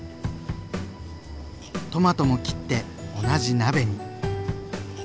トマトも切って同じ鍋に。